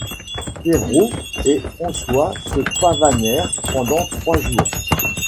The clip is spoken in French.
Perrault et François se pavanèrent pendant trois jours.